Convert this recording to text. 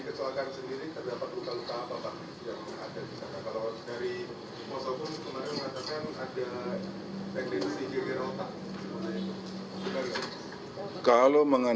masa pun kemarin mengatakan